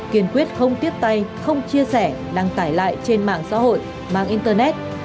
kiên quyết không tiếp tay không chia sẻ đăng tải lại trên mạng xã hội mang internet